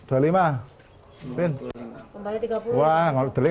wah kalau deli nggak ada deli kan